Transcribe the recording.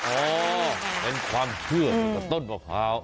โอ้เป็นความเชื่อต้นมะพร้าว